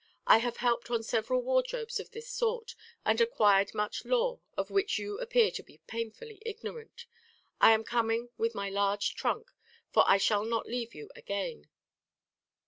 I have helped on several wardrobes of this sort, and acquired much lore of which you appear to be painfully ignorant. I am coming with my large trunk; for I shall not leave you again."